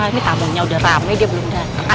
ini tamannya udah rame dia belum datang